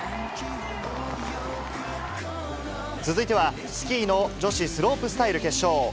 続いては、スキーの女子スロープスタイル決勝。